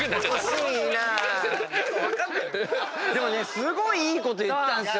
すごいいいこと言ったんですよ。